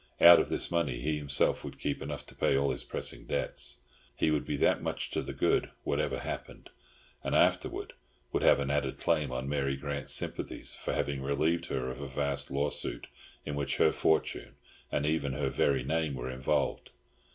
Out of this money he himself would keep enough to pay all his pressing debts. He would be that much to the good whatever happened, and afterwards would have an added claim on Mary Grant's sympathies for having relieved her of a vast lawsuit in which her fortune, and even her very name, were involved.